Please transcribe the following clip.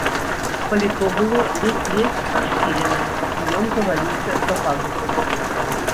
Паліто было ледзь-ледзь расшпіленае, і ён заваліўся за пазуху.